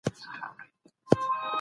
روحانیون د ټولنې ستني دي.